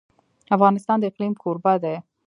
افغانستان د اقلیم کوربه دی.